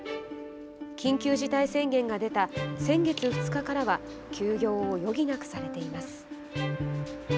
緊急事態宣言が出た先月２日からは休業を余儀なくされています。